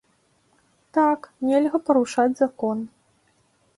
Так, нельга парушаць закон.